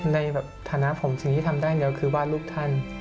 ในฐานะผมสิ่งที่ทำได้อย่างเดียวคือวาดรูปท่าน